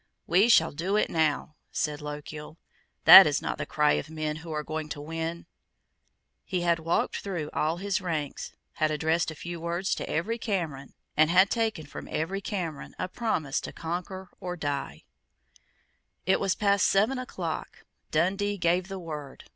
"We shall do it now," said Lochiel: "that is not the cry of men who are going to win." He had walked through all his ranks, had addressed a few words to every Cameron, and had taken from every Cameron a promise to conquer or die, It was past seven o'clock. Dundee gave the word.